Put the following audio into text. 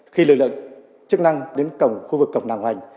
khi lực lượng chức năng đến cổng khu vực cổng nàng hoành